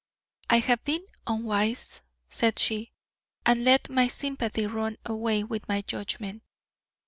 "I have been unwise," said she, "and let my sympathy run away with my judgment.